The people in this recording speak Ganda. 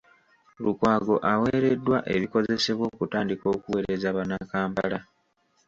Lukwago aweereddwa ebikozesebwa okutandika okuweereza bannakampala.